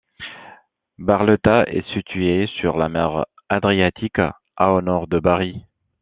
Barletta est située sur la mer Adriatique à au nord de Bari.